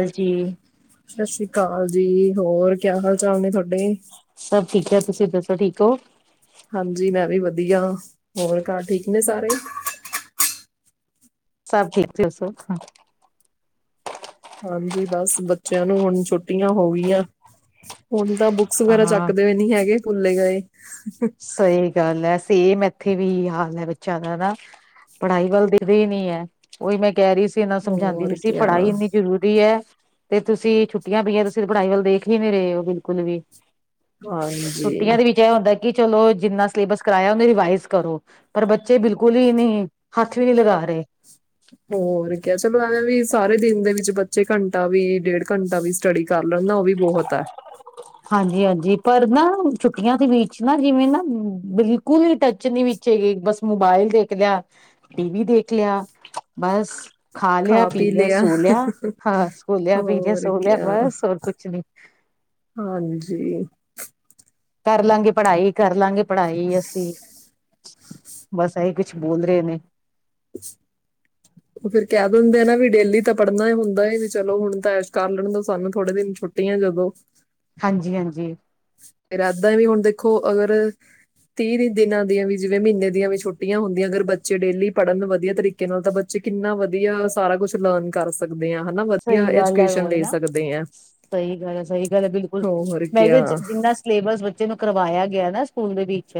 ਹਾਂਜੀ ਸਤਿ ਸ੍ਰੀ ਅਕਾਲ ਜੀ ਹੋਰ ਕਿਆ ਹਾਲ ਚਾਲ ਨੇ ਤੁਹਾਡੇ [inaudible] ਸਭ ਠੀਕ ਹੈ ਤੁਸੀਂ ਦੱਸੋ ਠੀਕ ਹੋ। ਹਾਂਜੀ ਮੈਂ ਵੀ ਵਧੀਆ ਹੋਰ ਘਰ ਠੀਕ ਨੇ ਸਾਰੇ। ਸਭ ਠੀਕ ਨੇ ਤੁਸੀਂ ਦਸੋ। ਹਾਂਜੀ ਬਸ ਬੱਚਿਆਂ ਨੂੰ ਹੁਣ ਛੁੱਟੀਆਂ ਹੋ ਗਈਆਂ। ਹੁਣ ਤਾਂ ਬੁੱਕਸ ਵਗੈਰਾ ਹਾਂ ਚੱਕਦੇ ਵੀ ਨੀ ਹੈਗੇ। ਭੁੱਲੇ ਗਏ। ਸਹੀ ਗੱਲ ਐ। ਸੇਮ ਇੱਥੇ ਵੀ ਹਾਲ ਹੈ ਬੱਚਿਆਂ ਦਾ ਨਾ ਪੜ੍ਹਾਈ ਵੱਲ ਦੇਖਦੇ ਹੀ ਨੀ ਹੈ ਉਹੀ ਮੈਂ ਕਹਿ ਰਹੀ ਸੀ ਇਹਨਾਂ ਨੂੰ ਸਮਝਾਂਦੀ ਵੀ ਹੋਰ ਸੀ ਕਿਆ ਪੜ੍ਹਾਈ ਇੰਨੀ ਜ਼ਰੂਰੀ ਹੈ। ਤੇ ਤੁਸੀਂ ਛੁੱਟੀਆਂ ਪਈਆਂ ਤੁਸੀਂ ਪੜ੍ਹਾਈ ਵੱਲ ਦੇਖ ਲਈ ਮੇਰੇ ਉਹ ਬਿਲਕੁਲ ਵੀ ਹਾਂਜੀ। ਛੁੱਟੀਆਂ ਦੇ ਵਿੱਚ ਇਹ ਹੁੰਦਾ ਕਿ ਚਲੋ ਜਿੰਨਾ ਸਿਲੇਬਸ ਕਰਵਾਇਆ ਉਹਨੇ ਰਿਵਾਈਜ਼ ਕਰੋ ਪਰ ਬੱਚੇ ਬਿਲਕੁਲ ਹੀ ਨਹੀਂ ਹੱਥ ਵੀ ਨਹੀਂ ਲਗਾ ਰਹੇ। ਹੋਰ ਕਿਆ ਚਲੋ ਐਵੇਂ ਵੀ ਸਾਰੇ ਦਿਨ ਦੇ ਵਿੱਚ ਬੱਚੇ ਘੰਟਾ ਵੀ ਡੇਢ ਘੰਟਾ ਵੀ ਸਟੱਡੀ ਕਰ ਲੈਂਦਾ ਉਹ ਵੀ ਬਹੁਤ ਹੈ। ਹਾਂਜੀ ਹਾਂਜੀ ਪਰ ਨਾ ਛੁੱਟੀਆਂ ਦੇ ਵਿੱਚ ਨਾ ਜਿਵੇਂ ਨਾ ਬਿਲਕੁਲ ਹੀ ਟੱਚ ਨੀ ਵਿੱਚ ਹੈਗੇ ਬਸ ਮੋਬਾਇਲ ਦੇਖ ਲਿਆ ਟੀਵੀ ਦੇਖ ਲਿਆ ਬਸ ਖਾ ਲਿਆ ਪੀ ਲਿਆ ਸੋ ਲਿਆ ਹਾਂ ਸੋ ਲਿਆ ਪੀ ਲਿਆ ਹੋਰ ਸੋ ਲਿਆ ਕਿਆ ਬਸ ਹੋਰ ਕੁਛ ਨੀ। ਹਾਂਜੀ। ਕਰ ਲਾਂਗੇ ਪੜ੍ਹਾਈ ਕਰ ਲਾਂਗੇ ਪੜ੍ਹਾਈ ਅਸੀਂ ਬਸ ਇਹੀ ਕੁਛ ਬੋਲ ਰਹੇ ਨੇ। [inaudible] ਉਹ ਫਿਰ ਕਹਿ ਦਿੰਦੇ ਆ ਨਾ ਵੀ ਡੇਲੀ ਤਾਂ ਪੜ੍ਹਨਾ ਹੁੰਦਾ ਵੀ ਚਲੋ ਹੁਣ ਤਾਂ ਐਸ਼ ਕਰ ਲਣ ਦ ਸਾਨੂੰ ਥੋੜੇ ਦਿਨ ਛੁੱਟੀਆਂ ਜਦੋਂ ਹਾਂਜੀ ਹਾਂਜੀ। ਫਿਰ ਏਦਾਂ ਵੀ ਹੁਣ ਦੇਖੋ ਅਗਰ ਤੀਹ ਦਿਨਾਂ ਦੀਆਂ ਵੀ ਜਿਵੇਂ ਮਹੀਨੇ ਦੀਆਂ ਵੀ ਛੁੱਟੀਆਂ ਹੁੰਦੀਆਂ ਅਗਰ ਬੱਚੇ ਡੇਲੀ ਪੜ੍ਹਨ ਵਧੀਆ ਤਰੀਕੇ ਨਾਲ ਤਾਂ ਬੱਚੇ ਕਿੰਨਾ ਵਧੀਆ ਸਾਰਾ ਕੁਛ ਲਰਨ ਕਰ ਸਕਦੇ। ਆ ਹਨਾ ਵਧੀਆ ਸਹੀ ਗੱਲ ਹੈ ਐਜੂਕੇਸ਼ਨ ਲੈ ਰੋਲਨਾ ਸਕਦੇ ਆ। ਸਹੀ ਗੱਲ ਹੈ ਸਹੀ ਗੱਲ ਹੈ ਬਿਲਕੁਲ ਹੋਰ ਮੈਂ ਕਿਆ ਅੱਜ ਜਿੰਨਾ ਸਿਲੇਬਸ ਬੱਚੇ ਨੂੰ ਕਰਵਾਇਆ ਗਿਆ ਨਾ ਸਕੂਲ ਦੇ ਬੀਚ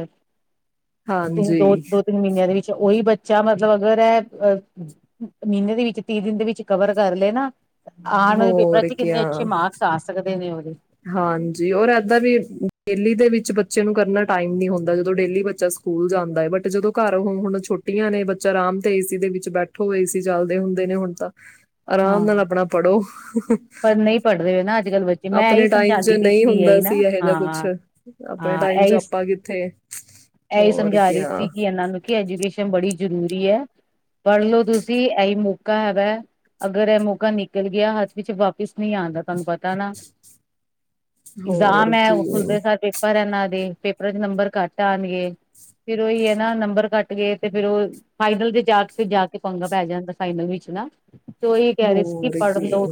ਤਿੰਨ ਦੋ ਹਾਂਜੀ ਦੋ ਤਿੰਨ ਮਹੀਨਿਆਂ ਦੇ ਉਹੀ ਬੱਚਾ ਮਤਲਬ ਅਗਰ ਇਹ ਅ ਮਹੀਨੇ ਦੇ ਵਿੱਚ ਤੀਹ ਦਿਨ ਦੇ ਵਿੱਚ ਕਵਰ ਕਰ ਲਏ ਨਾ ਆਣ ਵਾਲੇ ਪੇਪਰਾ ਹੋਰ ਚ ਕਿੰਨੇੇ ਕਿਆ ਅਛੇ ਮਾਕਸ ਆ ਸਕਦੇ। ਨੇ ਉਹਦੇ। ਹਾਂਜੀ ਔਰ ਏਦਾਂ ਵੀ ਡੇਲੀ ਦੇ ਵਿੱਚ ਬੱਚੇ ਨੂੰ ਕਰਨਾ ਟਾਈਮ ਨੀ ਹੁੰਦਾ ਜਦੋਂ ਡੇਲੀ ਬੱਚਾ ਸਕੂਲ ਜਾਂਦਾ ਹੈ ਬਟ ਜਦੋਂ ਘਰ ਹੁ ਛੋਟੀਆਂ ਨੇ ਬੱਚਾ ਆਰਾਮ ਤੇ ਏਸੀ ਦੇ ਵਿੱਚ ਬੈਠੋ ਏਸੀ ਚੱਲਦੇ ਹੁੰਦੇ ਨੇ ਹੁਣ ਤਾਂ ਆਰਾਮ ਹਾਂ ਨਾਲ ਆਪਣਾ ਪੜੋ। ਪਰ ਨਹੀਂ ਪੜਰੇ ਨਾਂ ਅੱਜ ਕੱਲ ਬੱਚੇ ਮੈਂ ਇਹੀ ਟਾਈਮ 'ਚ ਸਮਝਾਂਦੀ ਪੀ ਨਹੀਂ ਸੀ ਹੁੰਦਾ ਐਹੀ ਨਾ ਇਹੋ ਜਿਹਾ ਕੁਛ ਹਾਂ ਆਪਣੇ ਹਾਂ ਟਾਈਮ 'ਚ ਇਹੀ ਆਪਾਂ ਕਿੱਥੇ ਇਹੀ ਹੋਰ ਸਮਝਾ ਰਹੀ ਕਿਆ ਸੀ ਕੀ ਇਹਨਾਂ ਨੂੰ ਕੀ ਐਜੂਕੇਸ਼ਨ ਬੜੀ ਜ਼ਰੂਰੀ ਹੈ ਪੜ ਲਓ ਤੁਸੀਂ ਇਹੀ ਮੌਕਾ ਹੈਗਾ ਅਗਰ ਇਹ ਮੌਕਾ ਨਿਕਲ ਗਿਆ ਹੱਥ ਵਿੱਚ ਵਾਪਿਸ ਨਹੀਂ ਆਦਾ ਤੁਹਾਨੂੰ ਪਤਾ ਨਾ। ਹੋਰ ਇਗਜ਼ਾਮ ਹੈ ਉਹ ਕੀ ਖੁੱਲਦੇ ਸਾ ਪੇਪਰ ਇਹਨਾਂ ਦੇ। ਪੇਪਰਾਂ ਚ ਨੰਬਰ ਕੱਟ ਆਂਣਗੇ ਫਿਰ ਓਹੀ ਏ ਨਾ ਨੰਬਰ ਕੱਟਗੇ ਤੇ ਫਿਰ ਉਹ ਫਾਈਨਲ ਚ ਜਾ ਕੇ ਜਾ ਕੇ ਪੰਗਾ ਪੈ ਜਾਂਦਾ ਫਾਈਨਲ ਵਿਚ ਨਾ। ਓਹੀ ਕਹਿ ਰਹੀ ਸੀ ਕੀ ਪੜ ਲੌ।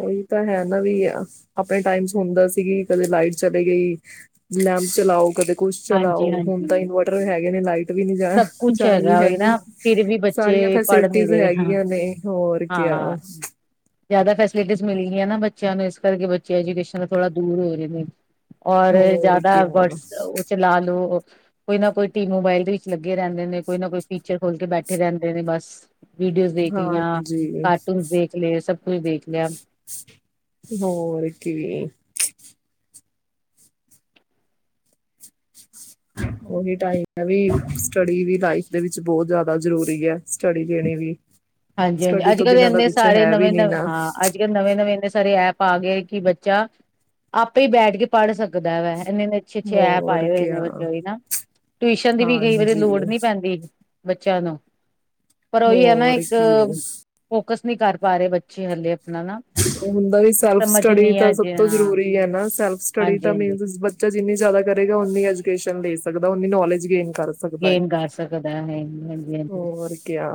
ਉਹੀ ਤਾਂ ਹੈ ਨਾ ਵੀ ਆਪਣੇ ਟਾਈਮ ਚ ਹੁੰਦਾ ਸੀ ਕਦੇ ਲਾਈਟ ਚਲੇ ਗਈ ਲੈਂਪ ਚਲਾਓ ਕਦੇ ਕੁੱਛ ਹਾਂਜੀ ਚਲਾਓ ਹੁਣ ਤਾਂ ਹਾਂਜੀ ਇਨਵੇਂਟਰ ਹੈਗੇ ਨੇ ਲਾਈਟ ਵੀ ਨਹੀਂ ਜਾ ਸਭ ਕੁਛ ਜਾਣੀ ਹੈਗਾ ਉਹੀ ਹੈਗੀ ਨਾ ਫਿਰ ਵੀ ਬੱਚੇ ਸਾਰੀਆਂ ਪੜ੍ਹ ਨੀ ਫੈਸਿਲਿਟੀਜ਼ ਰਹੇ ਹਾਂ ਹੈਗੀਆਂ ਨੇ ਹੋਰ ਕਿਆ। ਹਾਂ ਜ਼ਿਆਦਾ ਫੈਸਿਲਿਟੀਜ਼ ਮਿਲ ਗਈਆਂ ਨਾ ਬੱਚਿਆਂ ਨੂੰ ਇਸ ਕਰਕੇ ਬੱਚੇ ਐਜੂਕੇਸ਼ਨ ਦਾ ਥੋੜਾ ਦੂਰ ਹੋ ਰੇ ਨੇ। ਔਰ ਹੋਰ ਜ਼ਿਆਦਾ ਕਿਆ ਵਟਸ ਚਲਾ ਲੌ। ਕੋਈ ਨਾ ਕੋਈ ਟੀ ਮੋਬਾਇਲ ਦੇ ਲੱਗੇ ਰਹਿੰਦੇ ਨੇ ਕੋਈ ਨਾ ਕੋਈ ਫੀਚਰ ਖੋਲ ਕੇ ਬੈਠੇ ਰਹਿੰਦੇ ਨੇ ਬਸ। ਵੀਡੀਓਜ਼ ਦੇਖ ਲਈਆਂ ਹਾਂਜੀ ਕਾਰਟੂਨਸ ਦੇਖ ਲਏ ਸਭ। ਕੋਈ ਦੇਖ ਲਿਆ। ਹੋਰ ਕੀ। ਓਹੀ ਟਾਈਮ ਹੈ ਵੀ ਸਟੱਡੀ ਵੀ ਲਾਈਫ ਦੇ ਵਿੱਚ ਬਹੁਤ ਜ਼ਿਆਦਾ ਜ਼ਰੂਰੀ ਹੈ। ਸਟੱਡੀ ਦੇਣੀ ਵੀ। ਹਾਂਜੀ ਹਾਂਜੀ ਸਟੱਡੀ ਅੱਜ ਤੋਂ ਕੱਲ ਤੇ ਬਿਨਾਂ ਤਾਂ ਇੰਨੇ ਕੁਛ ਸਾਰੇ ਹੈ ਵੀ ਨਵੇਂ ਨੀ ਨਵੇਂ ਨਾ ਹਾਂ ਅੱਜ ਕੱਲ ਨਵੇਂ ਨਵੇਂ ਇੰਨੇ ਸਾ ਐ ਐਪ ਗਏ ਕੀ ਬੱਚਾ ਆਪੇ ਹੀ ਬੈਠ ਕੇ ਪੜ ਸਕਦਾ ਵੇ। ਇੰਨੇ ਇੰਨੇ ਅੱਛੇ ਅੱਛੇ ਐਪ ਹੋਰ ਆਏ ਹੋਏ ਨੇ ਕਿਆ ਬੱਚੇ ਦੀ ਨਾ ਟਿਊਸ਼ਨ ਦੀ ਵੀ ਕਈ ਵਾਰੀ ਲੋੜ ਹਾਂਜੀ ਨਹੀਂ ਪੈਂਦੀ ਬੱਚਿਆਂ ਨੂੰ। ਪਰ ਉਹੀ ਹੈ ਨਾ ਹੋਰ ਇੱਕ ਕੀ। ਫੋਕਸ ਨਹੀਂ ਕਰ ਪਾ ਰਹੇ ਬੱਚੇ ਹਲੇ ਆਪਣਾ ਨਾ। ਹੁੰਦਾ ਵੀ ਸੈਲਫ ਸਮਝ ਸਟੱਡੀ ਨੀ ਆ ਤਾਂ ਸਭ ਅਜੇ ਤੋਂ ਹਾਂ ਜਰੂਰੀ ਹੈ ਨਾ ਸੈਲਫ ਸਟੱਡੀ ਹਾਂਜੀ ਤਾਂ ਹਾਂਜੀ ਮੀਨਸ ਬੱਚਾ ਜਿੰਨੀ ਜ਼ਿਆਦਾ ਕਰੇਗਾ ਉਨੀ ਐਜੂਕੇਸ਼ਨ ਲੈ ਸਕਦਾ ਉਨੀ ਨੌਲੇਜ ਗੇਨ। ਕਰ ਸਕਦਾ ਹੈ ਗੇਮ ਗਾ ਸਕਦਾ ਹੈ। ਹਾਂਜੀ ਹੋਰ ਕਿਆ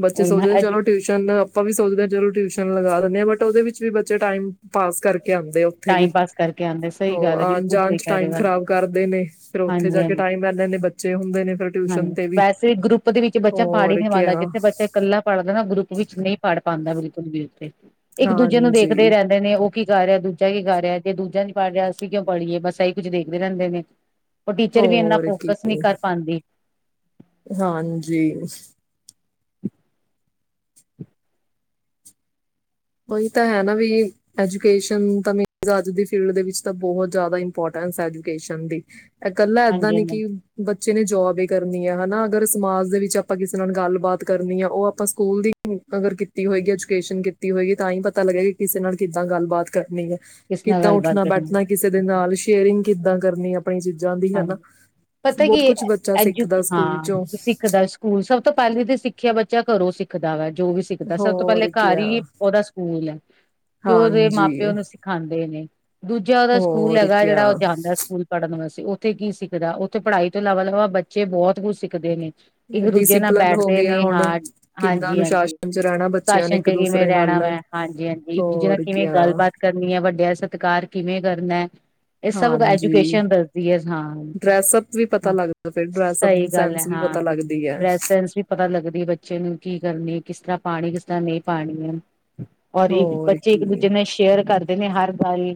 ਬੱਚੇ ਉਹੀ ਨਾ ਸੋਚਦੇ ਚਲੋ ਟਿਊਸ਼ਨ ਆਪਾਂ ਵੀ ਸੋਚਦੇ ਹਾਂ ਚਲੋ ਟਿਊਸ਼ਨ। ਲਗਾ ਦੀਨੇ ਬਟ ਉਹਦੇ ਵਿੱਚ ਵੀ ਬੱਚੇ ਟਾਈਮ ਪਾਸ ਕਰਕੇ ਕਹਿੰਦੇ ਉੱਥੇ ਵੀ ਟਾਈਮ ਪਾਸ ਕਰਕੇ ਆਉਂਦੇ ਸਹੀ ਉਹ ਗੱਲ ਹੈ ਆਣ ਬਿਲਕੁਲ ਜਾਣ ਸਹੀ ਚ ਕਹਿ ਰਹੇ ਟਾਈਮ ਹੋ ਹਾਂਜੀ ਖ਼ਰਾਬ ਕਰਦੇ ਨੇ ਫਿਰ ਉੱਥੇ ਹਾਂਜੀ ਜਾ ਕੇ ਹਾਂਜੀ ਟਾਈਮ ਲੈਂਦੇ ਬੱਚੇ ਹੁੰਦੇ ਨੇ ਫਿਰ ਟਿਊਸ਼ਨ ਤੇ ਵੀ ਤੇ ਗਰੁੱਪ ਦੇ ਵਿੱਚ ਬੱਚਾ ਪੜ੍ਹ ਹੀ ਹੋਰ ਨਹੀਂ ਪਾਂਦਾ ਕਿਆ ਜਿੱਥੇ ਬੱਚਾ ਇਕੱਲਾ ਪੜ੍ਹਦਾ ਨਾ ਉਹ ਗਰੁੱਪ ਵਿੱਚ ਨਹੀਂ ਪੜ੍ਹ ਪਾਂਦਾ, ਬਿਲਕੁਲ ਵੀ ਉਹ ਤੇ ਇੱਕ ਦੂਜੇ ਨੂੰ ਦੇਖਦੇ, ਹਾਂਜੀ ਰਹਿੰਦੇ ਨੇ ਉਹ ਕੀ, ਕਰ ਰਿਹਾ ਤੂੰ? ਇਹ ਕੀ ਕਰ ਰਿਹਾ, ਤੇ ਦੂਜਾ ਨੀ ਪੜ ਰਿਹਾ। ਅਸੀਂ ਕਿਉਂ ਪੜੀਏ, ਬਸ ਇਹੀ ਕੁਝ ਦੇਖਦੇ ਰਹਿੰਦੇ ਨੇ। ਉਹ ਟੀਚਰ ਵੀ ਇੰਨਾ, ਹੋਰ ਕੀ ਫੋਕਸ ਨਹੀਂ ਕਰ ਪਾਂਦੀ। ਹਾਂਜੀ ਹ [inaudible] ਉਹੀ ਤਾਂ ਹੈ। ਨਾ ਵੀ ਐਜੂਕੇਸ਼ਨ ਤਾਂ ਅੱਜ ਦੀ ਫੀਲਡ ਦੇ ਵਿੱਚ, ਤਾਂ ਬਹੁਤ ਜ਼ਿਆਦਾ ਇੰਪੋਰਟੈਂਸ ਹੈ। ਐਜੂਕੇਸ਼ਨ ਦੀ ਇਹ ਇਕੱਲਾ ਏਦਾਂ ਹਾਂਜੀ ਨੀ ਮੈਮ ਕਿ ਬਚ ਬੱਚੇ ਨੇ ਜੋਬ ਹੀ ਕਰਨੀ ਹੈ। ਹਨਾ ਅਗਰ ਸਮਾਜ ਦੇ ਵਿੱਚ ਆਪਾਂ ਕਿਸੇ ਨਾਲ ਗੱਲਬਾਤ ਕਰਨੀ ਆ, ਉਹ ਆਪਾਂ ਸਕੂਲ ਦੀ ਅਗਰ ਕੀਤੀ ਹੋਏਗੀ, ਐਜੂਕੇਸ਼ਨ ਕੀਤੀ ਕੀਤੀ ਹੋਏਗੀ, ਤਾਂ ਹੀ ਪਤਾ ਲਗੇਗਾ। ਕਿ ਕਿਸੇ ਨਾਲ ਕਿੱਦਾਂ ਗੱਲਬਾਤ ਕਰਨੀ ਏ ਕਿਸ ਨਾਲ ਕਿੱਦਾਂ ਗੱਲਬਾਤ ਉੱਠਣਾ, ਬੈਠਣਾ ਕਿਸੇ ਦੇ ਕਰਨੀ ਨਾਲ ਸ਼ੇਅਰਿੰਗ ਕਿੱਦਾਂ ਕਰਨੀ ਅਪ ਹਾਂਜੀ, ਪਤਾ ਕੀ ਕੁਝ ਬੱਚਾ ਐਜੂ ਸਿੱਖਦਾ ਸਕੂਲ ਚੋਂ ਹਾਂ ਸਿੱਖ ਦਾ ਸਕੂਲ ਸਭ ਤੋਂ, ਪਹਿਲੀ ਤਾਂ ਸਿੱਖਿਆ ਬੱਚਾ ਘਰੋਂ ਸਿੱਖ ਖਾਦਾਵੇ ਜੋ ਵੀ ਸਿੱਖਦਾ ਸਭ ਤੋਂ, ਪਹਿਲੇ ਹੋਰ ਘਰ ਕਿਆ ਹੀ ਉਹਦਾ ਸਕੂਲ ਹੈ। ਜੋ ਉਹਦੇ ਮਾਂ-ਪਿਓ ਹਾਂਜੀ ਉਹਨੂੰ ਸਿਖਾਉਂਦੇ ਨੇ ਦੂਜਾ ਉਹਦਾ ਸਕੂਲ ਹੋਰ ਹੈਗਾ ਜਿਹੜਾ ਕਿਆ ਉਹ ਜਾਂਦਾ ਸਕੂਲ ਪੜ੍ਹਨ ਵਾਸਤੇ ਉੱਥੇ ਕੀ ਸਿੱਖਦਾ ਉੱਥੇ ਪੜ੍ਹਾਈ ਤੋਂ, ਇਲਾਵਾ ਇਲਾਵਾ ਬੱਚੇ ਬਹੁਤ ਕੁੱਝ ਸਿੱਖਦੇ ਨੇ ਇੱਕ ਦੂਜੇ ਨਾਲ ਡਿਸਿਪਲਨ ਹੋ ਬੈਠਦੇ ਗਿਆ ਨੇ, ਹੁਣ ਹਾਂ ਕਿੱਦਾਂ ਹਾਂਜੀ, ਹਾਂਜੀ ਅਨੁਸ਼ਾਸਨ ਚ ਰਹਿਣਾ ਬੱਚਿਆਂ ਨੇ ਸੈਸ਼ਨ ਇੱਕ ਚ ਕਿਵੇਂ ਦੂਸਰੇ ਰਹਿਣਾ ਨਾਲ ਵੈ, ਹਾਂਜੀ, ਹਾਂਜੀ ਇੱਕ ਦੂਜੇ ਨਾਲ ਹੋਰ ਕਿਵੇਂ ਕਿਆ ਗੱਲਬਾਤ ਕਰਨੀ ਹੈ। ਵੱਡਿਆਂ ਸਤਿਕਾਰ ਕਿਵੇਂ ਕਰਨਾ? ਇਹ ਸਭ ਹਾਂਜੀ ਐਜੂਕੇਸ਼ਨ ਦੱਸਦੀ ਹੈ ਹਾਂ ਡਰੈਸਅਪ ਵੀ ਪਤਾ -ਹਾਂ ਲੱਗਦਾ ਫਿਰ ਡਰੈਸਅਪ ਸਹੀ ਦੀ ਗੱਲ ਹੈ, ਸੈਂਸ ਵੀ ਹਾਂ ਪਤਾ ਲੱਗਦੀ ਹੈ ਡਰੈਸ ਸੈਂਸ ਵੀ ਪਤਾ ਲੱਗਦੀ ਬੱਚੇ ਨੂੰ ਕੀ ਕਰਨੀ ਕਿਸ ਤਰ੍ਹਾਂ ਪਾਣੀ ਕਿਸ ਤਰ੍ਹਾਂ ਨਹੀਂ ਪਾਣੀ ਹੈ? ਔਰ ਇੱਕ ਹੋਰ ਬੱਚੇ ਇੱਕ ਕੀ ਦੂਜੇ ਨਾਲ ਸ਼ੇਅਰ ਕਰ ਦਸਦੇ ਨੇ ਹਰ ਗੱਲ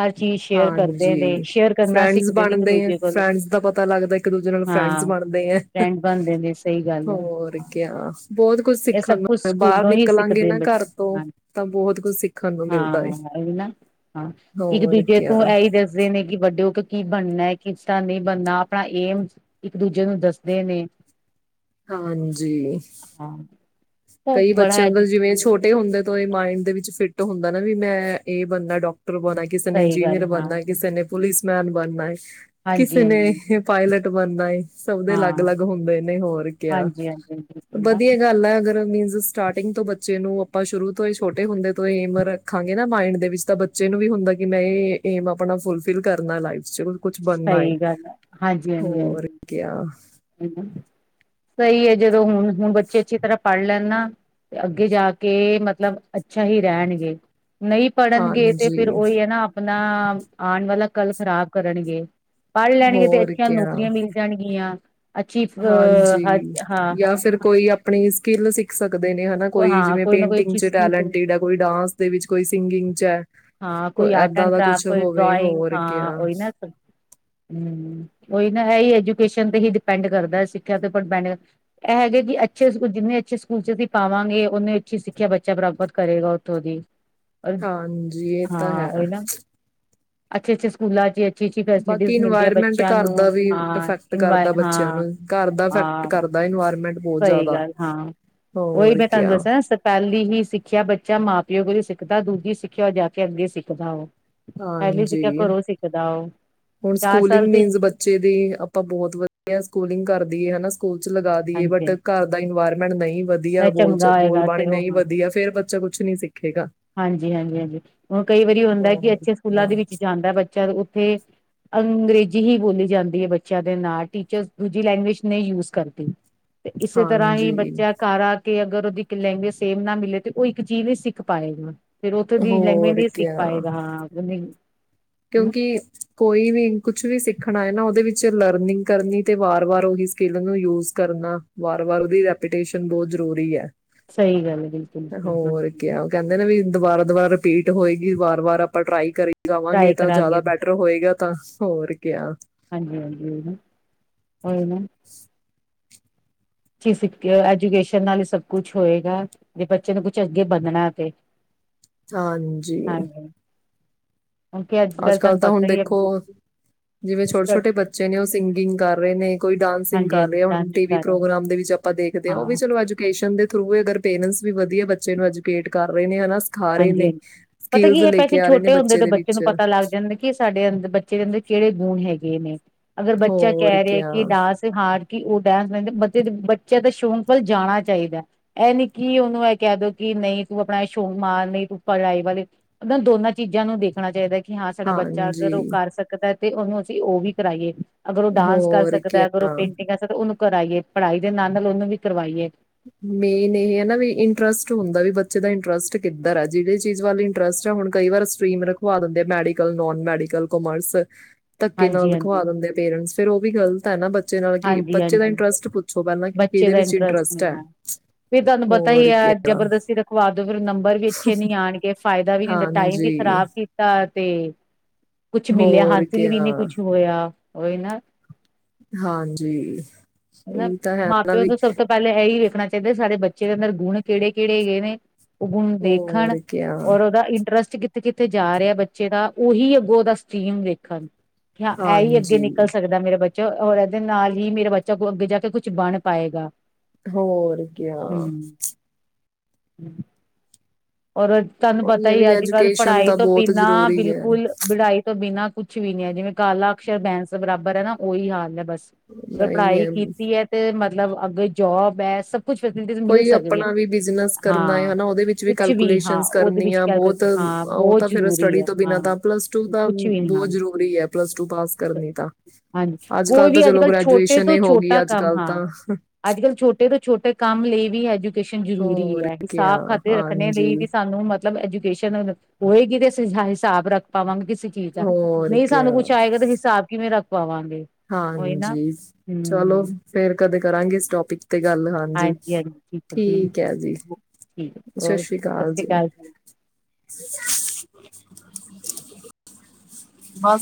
ਹਰ ਚੀਜ਼ ਸ਼ੇਅਰ ਕਰਦੇ ਨੇ ਹਾਂਜੀ ਸ਼ੇਅਰ ਕਰਨਾ ਫਰੈਂਡਸ ਸਿੱਖਦੇ ਨੇ ਇੱਕ ਬਣਦੇ ਦੂਜੇ ਕੋਲ ਫਰੈਂਡਸ ਦਾ ਪਤਾ ਲੱਗਦਾ। ਇੱਕ ਦੂਜੇ ਨਾਲ ਫਰੈਂਡਸ ਹਾਂ ਬਣਦੇ ਆ, ਫਰੈਂਡ ਬਣਦੇ ਨੇ ਸਹੀ ਗੱਲ ਹੈ ਹੋਰ ਕਿਆ ਬਹੁਤ ਕੁਛ ਇਹ ਸਿੱਖਣ ਸਭ ਕੁਛ ਨੂੰ ਬਾਹਰ ਸਕੂਲੋਂ ਹੀ ਨਿਕਲਾਂਗੇ ਸਿੱਖਦੇ ਨਾ ਘਰ ਬੱਚੇ ਤੋਂ ਹਾਂ ਤਾਂ ਬਹੁਤ ਕੁਛ ਸਿੱਖਣ ਨੂੰ ਹਾਂ ਮਿਲਦਾ ਹੈ। ਹੋਰ ਉਹ ਕਿਆ ਇਹੀ ਦੱਸਦੇ ਨੇ ਕਿ ਬਚ ਕਿਉਂਕਿ ਕੀ ਬਣਨਾ ਏ? ਕਿਸ ਦਾ ਨਹੀਂ ਬਣਨਾ, ਆਪਣਾ ਏਮ ਇੱਕ ਦੂਜੇ ਨੂੰ ਦੱਸਦੇ ਨੇ। ਹਾਂਜੀ ਹਾਂ ਉਹ ਕਈ ਬੜਾ ਬੱਚਿਆਂ ਐਜੂ ਅੰਕਲ, ਜਿਵੇਂ ਛੋਟੇ ਹੁੰਦੇ ਤੋਂ ਏ ਮਾਇੰਡ ਦੇ ਵਿੱਚ ਫਿੱਟ ਹੁੰਦਾ ਨਾ ਵੀ ਮੈਂ ਇਹ ਬਣਨਾ ਡਾਕ ਟਰ ਬਣਣਾ, ਕਿਸੇ ਨੇ ਸਹੀ ਗੱਲ ਇੰਜੀਨੀਅਰ ਹਾਂ ਬਣਨਾ, ਕਿਸੇ ਨੇ ਪੁਲਿਸ ਮੈਨ ਬਣਨਾ ਏ। ਹਾਂਜੀ ਕਿਸੇ ਨੇ ਹਾਂਜੀ ਹਾਂਜੀ ਪਾਇਲਟ, ਬਣਨਾ ਏ। ਸਭ ਦੇ ਅਲੱਗ ਹਾਂ ਅਲੱਗ ਹੁੰਦੇ ਨੇ ਹੋਰ ਕਿਹਾ, ਹਾਂਜੀ ਹਾਂਜੀ ਬਿਲਕੁਲ ਨਾ ਵਧੀਆ ਗੱਲ ਆ ਅਗਰ ਮੀਨ ਸਟਾਰਟਿੰਗ ਤੋਂ ਬੱਚੇ ਨੂੰ ਆਪਾਂ ਸ਼ੁਰੂ ਤੋਂ ਛੋਟੇ ਹੁੰਦੇ ਤੋਂ ਏਮ ਰੱਖਾਂਗੇ ਨਾ ਮਾਇਡ ਦੇ ਵਿੱਚ ਤਾਂ ਬੱਚੇ ਨੂੰ ਵੀ ਹੁੰਦਾ ਕਿ ਮੈਂ ਇਹ ਏਮ ਆਪਣਾ ਫੁਲਫਿਲ ਕਰਨਾ ਲਾਈਫ ਚ। ਕੁਛ ਬਣਨਾ ਏ ਸਹੀ ਗੱਲ ਹੈ ਹਾਂਜੀ ਹਾਂਜੀ ਹੋਰ ਕਿਆ ਹਾਂਜੀ ਸਹੀ ਹੈ ਜਦੋਂ ਹੁਣ ਹੁਣ ਬੱਚੇ ਅੱਛੀ ਤਰ੍ਹਾਂ ਪੜ੍ਹ ਲੈਣ ਨਾ, ਤੇ ਅੱਗੇ ਜਾ ਕੇ ਮਤਲਬ ਅੱਛਾ ਹੀ ਰਹਿਣਗੇ। ਨਹੀਂ ਪੜ੍ਹਨਗੇ ਤੇ ਹਾਂਜੀ ਫੇਰ ਉਹੀ ਹੈ ਨਾ ਆਪਣਾ ਆਉਣ ਵਾਲਾ ਕੱਲ ਖ਼ਰਾਬ ਕਰਨਗੇ। ਪੜ੍ਹ ਲੈਣਗੇ ਤੇ ਹੋਰ ਅੱਛੀਆਂ ਕਿਆ ਨੌਕਰੀਆਂ ਮਿਲ ਜਾਣਗੀਆਂ। ਅੱਛੀ ਅ ਹਾਂਜੀ ਯਾਂ ਹਾਂ ਫਿਰ ਕੋਈ ਆਪਣੀ ਸਕਿੱਲ ਸਿੱਖ ਸਕਦੇ ਨੇ। ਹਨਾ ਕੋਈ ਹਾਂ ਜਿਵੇਂ ਨਾ ਕੋਈ ਪੇਂਟਿੰਗ ਅੱਛੀ ਚ ਸਕਿੱਲ ਟੈਲਟਿਡ ਹੈ, ਕੋਈ ਡਾਂਸ ਦੇ ਵਿੱਚ, ਕੋਈ ਸਿੰਗਿੰਗ ਚ ਹੈ, ਹਾਂ ਕੋ ਕੋਈ ਆਰਟ ਏਦਾਂ ਐਂਡ ਦਾ ਕਰਾਫਟ ਕੁਛ ਕੋਈ ਹੋਵੇ ਡਰਾਇੰਗ ਹੋਰ ਹਾਂ ਕਯਾ ਉਈ ਨਾ ਇਹ ਹੀ ਐਜੂਕੇਸ਼ਨ ਤੇ ਹੀ ਡਿਪੈਂਡ ਕਰਦਾ ਸਿੱਖਿਆ ਦੇ ਉੱਪਰ ਡਿਪੈਂਡ ਇਹ ਹੈਗੇ ਕਿ ਅੱਛੇ ਜਿੰਨੇ ਅੱਛੇ ਸਕੂਲ ਪਾਵਾਂਗੇ ਉਹਨੂੰ ਅੱਛੀ ਸਿੱਖਿਆ ਬੱਚਾ ਪ੍ਰਾਪਤ ਕਰੇਗਾ ਉੱਥੋਂ ਦੀ। ਔਰ ਹਾਂਜੀ ਇਹ ਤਾਂ ਹਾਂ ਹੈ ਉਹੀ ਨਾ ਅੱਛੇ ਅੱਛੇ ਸਕੂਲਾਂ ਚ ਅੱਛੀ ਅੱਛੀ ਬਾਕੀ ਫੈਸਿਲਿਟੀਜ਼ ਮਿਲਦੀਆਂ ਇਨਵਾਇਰਮੈਂਟ ਬੱਚਿਆਂ ਘਰ ਨੂੰ ਦਾ ਵੀ ਹਾਂ ਇਫੈਕਟ ਇਨਵ ਕਰਦਾ ਬੱਚਿਆਂ ਹਾਂ ਨੂੰ ਘਰ ਦਾ ਇਫੈਕਟ ਹਾਂ ਕਰਦਾ ਇਨਵਾਇਰਮੈਂਟ ਬਹੁਤ ਸਹੀ ਜ਼ਿਆਦਾ ਗੱਲ ਹਾਂ ਉਹੀ ਹੋਰ ਮੈਂ ਕਿਆ ਤੁਹਾਨੂੰ ਦੱਸਿਆ ਪਹਿਲ ਹੀ ਸਿੱਖਿਆ ਬੱਚਾ ਮਾਂ ਪਿਓ ਕੋਲ ਸਿੱਖਦਾ ਦੂਜੀ ਸਿੱਖਿਆ ਉਹ ਜਾ ਕੇ ਅੱਗੇ ਸਿੱਖਦਾ ਉਹ। ਪਹਿਲੀ ਸਿੱਖਿਆ ਹਾਂਜੀ ਘਰੋਂ ਸਿੱਖਦਾ ਉਹ ਹੁਣ ਚਾਰ ਸਾਲ ਸਕੂਲਿੰਗ ਤਿੰਨ ਮੀਨਜ਼ ਬੱਚੇ ਦੀ ਆਪਾਂ ਬਹੁਤ ਵਧੀਆ ਸਕੂਲਿੰਗ ਕਰ ਦੀ ਹਨਾ। ਸਕੂਲ ਚ ਲਗਾ ਦੀਈਏ ਹਾਂਜੀ ਬਟ ਘਰ ਦਾ ਇਨਵਾਇਰਮੈਂਟ ਨਹੀਂ ਵਧ ਵਧੀਆ ਮੈਂ ਬੋਲ ਚ ਚੰਗਾ ਹੋਏਗਾ ਬੋਲਬਣੀ ਤੇ ਉਹ ਨਹੀਂ ਹਾਂ ਵਧੀਆ ਫੇਰ ਬੱਚਾ ਕੁਛ ਨੀ ਸਿੱਖੇਗਾ। ਹਾਂਜੀ ਹਾਂਜੀ ਹਾਂਜੀ ਹੁਣ ਕਈ ਵਾਰੀ ਹੁੰਦਾ ਕਿ ਹੋਰ ਅੱਛੇ ਕਿਆ। ਸਕੂਲਾਂ ਦੇ ਵਿੱਚ ਜਾਂਦਾ ਬੱਚਾ ਉੱਥੇ ਅੰਗਰੇਜ਼ੀ ਹੀ ਬੋਲੀ ਜਾਂਦੀ ਹੈ ਬੱਚਿਆਂ ਦੇ ਨਾਲ ਟੀਚਰ ਦੂਜੀ ਲੈਂਗੁਏਜ ਨਹੀਂ ਯੂਜ ਕਰਦੀ। ਤੇ ਇਸੇ ਤਰ੍ਹਾਂ ਹੀ ਹਾਂਜੀ ਬੱਚਿਆਂ ਘਰਾਂ ਕੇ ਅਗਰ ਉਹਦੀ ਇੱਕ ਲੈਂਗੁਏਜ ਸੇਮ ਨਾ ਮਿਲੇ ਤੇ ਉਹ ਇੱਕ ਚੀਜ਼ ਨ ਸਿੱਖ ਪਾਏਗਾ। ਫਿਰ ਉੱਥੇ ਦੀ ਲੈਂਗਵੇਜ ਹੋਰ ਨਹੀਂ ਸਿੱਖ ਕਿਆ ਪਾਏਗਾ ਹਾਂ। ਕਿਉਂਕਿ ਕੋਈ ਵੀ ਕੁਛ ਵੀ ਸਿੱਖਣਾ ਹੈ ਨਾ ਉਹਦੇ ਵਿੱਚ ਚ ਲਰਨਿੰਗ ਕਰਨੀ ਤੇ ਵਾਰ ਵਾਰ ਉਹੀ ਸਕਿੱਲ ਨੂੰ ਯੂਜ ਕਰਨਾ ਵਾਰ ਵਾਰ ਉਹਦੀ ਰੈਪੁਟੇਸ਼ਨ ਬਹੁਤ ਜ਼ਰੂਰੀ ਹੈ ਸਹੀ ਗੱਲ ਹੈ ਬਿਲਕੁਲ ਹੋਰ ਹਾਂਜੀ ਕਿਆ ਉਹ ਕਹਿੰਦੇ ਨੇ ਵੀ ਦੁਬਾਰਾ ਦੁਬਾਰਾ ਰਿਪੀਟ ਹੋਏਗੀ ਵਾਰ ਵਾਰ ਆਪਾਂ ਟਰਾਈ ਕਰੀ ਜਾਵਾਂਗੇ ਟਰਾਈ ਤਾਂ ਕਰਾਂਗੇ ਜ਼ਿਆਦਾ ਬੈਟਰ ਹੋਏਗਾ ਤਾਂ ਹੋਰ ਕਿਆ ਹਾਂਜੀ ਹਾਂਜੀ ਹੋਏ ਨਾ ਸ ਐਜੂਕੇਸ਼ਨ ਨਾਲ ਹੀ ਸਭ ਕੁਛ ਹੋਏਗਾ ਤੇ ਬੱਚੇ ਨੂੰ ਕੁਛ ਅੱਗੇ ਵੱਧਣਾ ਤੇ ਹਾਂਜੀ ਹਾਂਜੀ ਕਿਉਂਕਿ ਅੱਜ ਕੱਲ੍ਹ ਕੱਲ ਤੁਹਾਨੂੰ ਤਾਂ ਹੁਣ ਪਤਾ ਹੀ ਹੈ ਦੇਖੋ ਜਿਵੇਂ ਛੋਟੇ ਸਟੱ ਛੋਟੇ ਬੱਚੇ ਨੇ ਉਹ ਸਿੰਗਿੰਗ ਕਰ ਰਹੇ ਨੇ ਕੋਈ ਡਾਂਸਿੰਗ ਕਰ ਹਾਂਜੀ-ਹਾਂਜੀ ਰਿਹਾ ਹੁਣ ਟੀ ਡਾਂਸਿੰਗ ਵੀ ਕਰ ਰਿਹਾ ਪ੍ਰੋਗਰਾਮ ਦੇ ਵਿੱਚ ਆਪਾਂ ਦੇਖਦੇ ਹਾਂ ਉਹ ਵੀ ਚਲੋ ਐਜੂਕੇਸ਼ਨ ਦੇ ਥਰੂ ਵੀ ਅਗਰ ਪੇਰੈਂਟਸ ਵੀ ਵਧੀਆ ਬੱਚੇ ਨੂੰ ਐਜੂਕੇਟ ਕਰ ਰਹੇ ਨੇ ਹਨਾ ਤੇ ਸਿਖਾ ਰਹੇ ਨੇ ਹਾਂਜੀ-ਹਾਂਜੀ ਪਤਾ ਸਕਿਲਜ਼ ਲੇ ਕੇ ਆ ਰਹੇ ਨੇ ਬੱਚੇ ਦੇ ਵਿੱਚ ਜਾਂ ਕਿ ਸਾਡੇ ਅੰਦਰ ਬੱਚਿਆਂ ਦੇ ਕੀ ਕਿਹੜੇ ਗੁਣ ਹੈਗੇ ਨੇ ਅਗਰ ਬੱਚਾ ਹੋਰ ਕਹਿ ਰਿਹਾ ਕਿਆ, ਕਿ ਡਾਂਸ ਸਿੱਖਾ ਕਿ ਉਹ ਡਾਂਸ ਰਹਿੰਦੇ ਬਚਿਆ ਬੱਚਿਆਂ ਦੇ ਸ਼ੌਕ ਵੱਲ ਜਾਣਾ ਚਾਹੀਦਾ ਇਹ ਨੀ ਕੀ ਉਹਨੂੰ ਇਹ ਕਹਿ ਦੋ ਕਿ ਨਹੀਂ ਤੂੰ ਆਪਣਾ ਸ਼ੌਕ ਮਾਰ ਨਹੀਂ ਧੂੱਪਾ ਲੜਾਈ ਵਾਲੇ ਮ ਦੋਨਾਂ ਚੀਜ਼ਾਂ ਨੂੰ ਦੇਖਣਾ ਚਾਹੀਦਾ ਕਿ ਹਾਂ ਸਾਡਾ ਬੱਚਾ ਅਗਰ ਉਹ ਹਾਂਜੀ, ਕਰ ਸਕਦੈ ਤੇ ਉਹਨੂੰ ਅਸੀਂ ਉਹ ਵੀ ਕਰਾਈਏ ਅਗਰ ਉਹ ਡਾਂਸ ਕਰ ਹੋਰ ਸਕਦੈ ਅਗਰ ਉਹ ਕਿਆ। ਪੇਂਟਿੰਗ ਕਰ ਸਕਦੈ ਉਹਨੂੰ ਕਰਾਈਏ ਪੜ੍ਹਾਈ ਦੇ ਨਾਲ ਨਾਲ ਉਹਨੂੰ ਵੀ ਕਰਵਾਈਏ ਮੇਨ ਇਹ ਹੈ ਨਾ ਵੀ ਇੰਟਰਸਟ ਹੁੰਦਾ ਵੀ ਬੱਚੇ ਦਾ ਇੰਟਰਸਟ ਕਿੱਧਰ ਹੈ ਜਿਹੜੀ ਚੀਜ਼ ਵੱਲ ਇੰਟਰਸਟ ਆ ਹੁਣ ਕਈ ਵਾਰ ਸਟੀ੍ਮ ਰਖਵਾ ਦਿੰਦੇ ਆ ਮੈਡੀਕਲ ਨੋਨ ਮੈਡੀਕਲ ਕਾਮਰਸ ਧੱਕੇ ਨਾਲ ਦਿਖਵਾ ਹਾਂਜੀ-ਹਾਂਜੀ, ਦਿੰਦੇ ਆ ਪੇਰੈਂਟਸ ਫਿਰ ਉਹ ਵੀ ਗਲਤ ਤਾਂ ਨਾ ਬ ਬੱਚੇ ਨਾਲ ਕਿ ਬੱਚੇ ਦਾ ਹਾਂਜੀ-ਹਾਂਜੀ ਇੰਟਰਸਟ ਪੁੱਛੋ ਪਹਿਲਾ ਨਾ ਕਿ ਕਿਹਦੇ ਵਿੱਚ ਇੰਟਰਸਟ ਹੈ ਵੀ ਤੁਹਾਨੂੰ ਪਤਾ ਹੀ ਹੋਰ ਹੈ ਕਿਆ ਜਬਰਦਸਤੀ ਰਖਵਾ ਫਿਰ ਨੰਬਰ ਵੀ ਅੱਛੇ ਨੀ ਆਉਣਗੇ ਫਾਇਦੇ ਵੀ ਨਹੀਂ‌ ਟਾਈਮ ਵੀ ਹਾਂਜੀ ਖ਼ਰਾਬ ਕੀਤਾ ਤੇ ਕੁਛ ਮਿਲਿਆ ਹੋਰ ਹਾਸਿਲ ਵੀ ਕਿਆ ਨਹੀਂ ਕੁਛ ਹੋਇਆ। ਓਈ ਨਾ। ਹਾਂਜੀ। ਹਨਾ ਇਹ ਤਾਂ ਹੈ ਮਾਂ ਨਾ ਪਿਓ ਵੀ ਤਾਂ ਸਭ ਤੋਂ ਪਹਿਲੇ ਹੈ ਹੀ ਵੇ। ਹੋਣਾ ਚਾਹੀਦਾ ਸਾਡੇ ਬੱਚੇ ਦੇ ਅੰਦਰ ਗੁਣ ਕਿਹੜੇ ਕਿਹੜੇ ਹੈਗੇ ਨੇ? ਔ ਗੁਣ ਦੇਖਣ ਹੋਰ ਕਿਆ ਔਰ ਉਹਦਾ ਇੰਟਰਸਟ ਕਿੱਥੇ ਕਿੱਥੇ ਜਾ ਰਿਹਾ ਬੱਚੇ ਦਾ ਉਹੀ ਅੱਗੋਂ ਉਹਦਾ ਸਟੀਮ ਵੇਖਣ। ਹਾਂ ਇਹ ਹੀ ਅੱਗੇ ਹਾਂਜੀ ਨਿਕਲ ਸਕਦਾ ਐ ਮੇਰਾ ਬੱਚ ਚਲੋ ਹੋਰ ਇਹਦੇ ਨਾਲ ਹੀ ਮੇਰੇ ਬੱਚ-ਕਹਿ ਲੋ- ਜਦੋਂ ਅੱਗੇ ਜਾ ਕੇ ਕੁੱਛ ਬਣ ਪਾਏਗਾ। ਹੋਰ ਕਿਆ। ਹਮ। ਔਰ ਤੁਹਾਨੂੰ ਪਤਾ ਇਹ ਵੀ ਹੀ ਅੱਜ ਕੱਲ ਐਜੂਕੇਸ਼ਨ ਪੜ੍ਹਾਈ ਤਾਂ ਤੋਂ ਬਹੁਤ ਬਿਨਾਂ ਜ਼ਰੂਰੀ ਹੈ ਬਿਲਕੁਲ ਬੜਾਈ ਤੋਂ ਬਿਨਾਂ ਕੁੱਛ ਵੀ ਨੀ ਹੈ ਜਿਵੇਂ ਕਾਲਾ ਅਕਸ਼ਰ ਬੈਂਸ ਬਰਾਬਰ ਹੈ ਨਾ ਉਹੀ ਹਾਲ ਹੈ ਬਸ। ਜੇ ਨਹੀਂ ਪੜ੍ਹਾਈ ਹੈ ਕੀਤੀ ਹੈ ਤੇ ਮ ਮਤਲਬ ਅੱਗੇ ਜੋਬ ਹੈ ਸ ਕੋਈ ਅਪਣਾ ਵੀ ਬਿਜਨਸ ਕਰਨਾ ਹੈ ਹਾਂ ਹਨਾ ਉਹਦੇ ਵਿੱਚ ਕੁਛ ਵੀ ਹਾਂ ਕੇਲਕੂਲੇਸ਼ਨਸ ਉਹਦੇ ਕਰਨੀ ਵਿੱਚ ਆ ਬਹੁਤ ਕੈਲਕੂਲੇਸ਼ਨ ਹਾਂ ਉਹ ਬਹੁਤ ਤਾਂ ਫਿਰ ਜ਼ਰੂਰੀ ਸਟੱਡੀ ਹੈ ਤੋਂ ਬਿਨਾਂ ਹਾਂ ਤਾਂ ਪਲੱਸ ਟੂ ਤਾਂ ਕੁਛ ਵੀ ਨੀ ਹਾਂ ਬਹੁਤ ਜਰੂਰੀ ਹੈ ਪਲੱਸ ਟੂ ਪਾਸ ਕਰਨੀ ਤਾਂ। ਹਾਂਜੀ ਅੱਜ ਕੋਈ ਕਲ ਤਾਂ ਵੀ ਚਲੋ ਕੱਲ੍ਹ ਛੋਟੇ ਗ੍ਰੈਜੂਏਸ਼ਨ ਤੋਂ ਈ ਹੋ ਗਈ ਛੋਟਾ ਅੱਜ ਕੰਮ ਕਲ ਹਾਂ ਤਾਂ। ਅੱਜ-ਕੱਲ੍ਹ ਛੋਟੇ ਤੋਂ ਛੋਟੇ ਕੰਮ ਲਈ ਵੀ ਐਜੁ ਕੇਸ਼ਵ ਜ਼ਰੂਰੀ ਹੋਰ ਹੈ ਕਿਆ ਹਿਸਾਬ ਰੱਖਣੇ ਲਈ ਹਾਂਜੀ ਵੀ ਸਾਨੂੰ ਮ ਮਤਲਬ ਐਜੂਕੇਸ਼ਨ ਹੋਏਗੀ ਤੇ ਅਸੀ ਹ ਹਿਸਾਬ ਰੱਖ ਪਾਵਾਂਗੇ ਕਿ ਚੀਜ਼ ਆ ਹੋਰ ਨਹੀਂ ਸਾਨੂੰ ਕਿਆ ਕੁੱਛ ਆਏਗਾ ਤੇ ਹਿਸਾਬ ਕਿਵੇਂ ਰਖ ਪਾਵਨ ਹਾਂਜੀ ਚਲੋ ਫੇਰ ਕਦੇ ਕਰਾਂਗੇ ਇਸ ਟੋਪਿਕ ਤੇ ਗੱਲ ਹਾਂਜੀ ਹਾਂਜੀ-ਹਾਂਜੀ ਹੈ ਜੀ ਠੀਕ ਹੈ ਜੀ। ਸਤਿ ਸ੍ਰੀ ਅਕਾਲ ਜੀ। ਬਸ